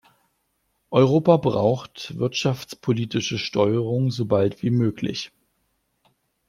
Europa braucht wirtschaftspolitische Steuerung so bald wie möglich.